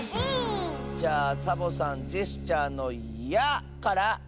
じゃあサボさんジェスチャーの「や」から！